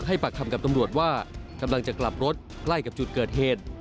ปากคำกับตำรวจว่ากำลังจะกลับรถใกล้กับจุดเกิดเหตุ